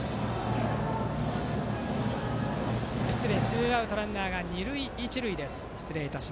失礼、ツーアウトランナーは二塁一塁です。